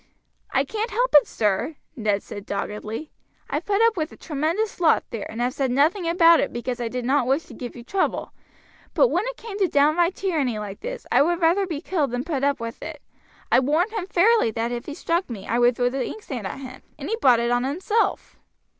"I can't help it, sir," Ned said doggedly. "I've put up with a tremendous lot there, and have said nothing about it, because I did not wish to give you trouble; but when it came to downright tyranny like this I would rather be killed than put up with it. I warned him fairly that if he struck me I would throw the inkstand at him, and he brought it on himself."